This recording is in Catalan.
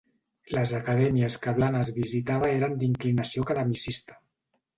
Les acadèmies que Blanes visitava eren d'inclinació academicista.